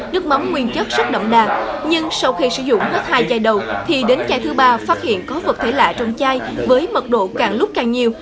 nước mắm nguyên chất rất đậm đà nhưng sau khi sử dụng hết hai giai đầu thì đến giai thứ ba phát hiện có vật thể lạ trong chai với mật độ càng lúc càng nhiều